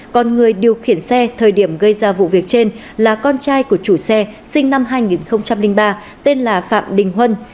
còn người điều khiển xe thời điểm gây ra vụ việc trên là con trai của chủ xe sinh năm hai nghìn ba tên là phạm đình huân